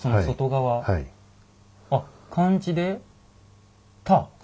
あっ漢字で「田」。